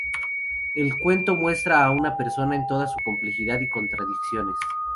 El cuento muestra a una persona en toda su complejidad y contradicciones.